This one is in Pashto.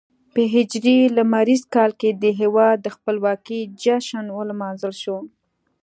په هجري لمریز کال کې د هېواد د خپلواکۍ جشن ولمانځل شو.